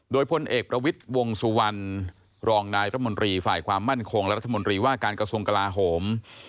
โดยพลเอกประวิทย์วงสุวรรณรองนายรัฐมนตรีฝ่ายความมั่นคงและรัฐมนตรีว่าการกระทรวงกลาโหม